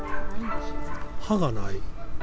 歯がない？